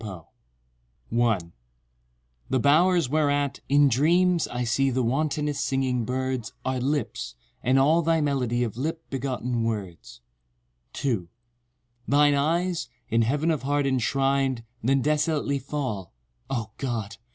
TO —— 1 The bowers whereat, in dreams, I see The wantonest singing birds Are lips—and all thy melody Of lip begotten words— 2 Thine eyes, in Heaven of heart enshrin'd Then desolately fall, O! God!